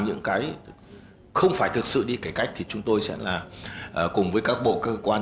những cái không phải thực sự đi cải cách thì chúng tôi sẽ là cùng với các bộ cơ quan